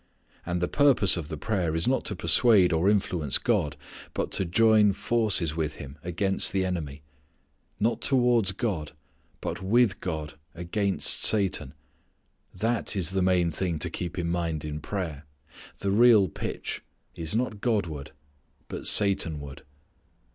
And the purpose of the prayer is not to persuade or influence God, but to join forces with Him against the enemy. Not towards God, but with God against Satan that is the main thing to keep in mind in prayer. The real pitch is not Godward but Satanward.